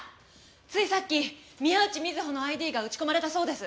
ついさっき宮内美津保のＩＤが打ち込まれたそうです。